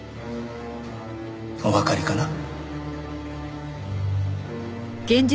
おわかりかな？